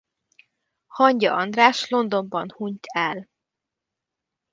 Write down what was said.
Hangya András Londonban hunyt el.